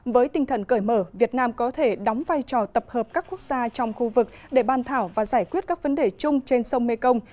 với tinh thần cởi mở việt nam có thể đóng vai trò tập hợp các quốc gia trong khu vực để ban thảo và giải quyết các vấn đề chung trên sông mekong